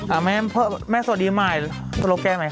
อะแม่แม่สวัสดีใหม่สวัสดีค่ะ